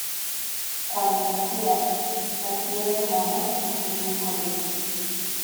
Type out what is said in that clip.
Cuando nacían, las crías de mamut no tenían colmillos.